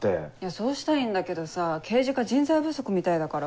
そうしたいんだけどさ刑事課人材不足みたいだから。